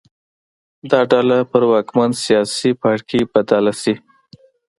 دا ډله پر واکمن سیاسي پاړکي بدله شي